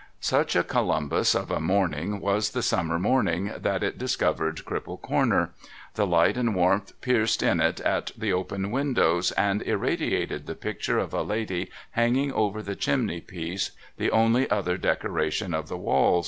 Such a Columbus of a morning was the summer morning, that it discovered Cripple Corner. The ligiit and warmth pierced in at the open windows, and irradiated the picture of a lady hanging over the chimney piece, the only other decoration of the walls.